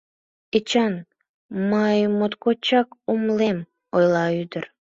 — Эчан, мый моткочак умылем, — ойла ӱдыр.